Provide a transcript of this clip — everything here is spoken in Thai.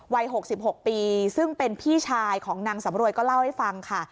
วัย๖๖ปีซึ่งเป็นพี่ชายของนางสำรวยก็เล่าให้ฟังค่ะ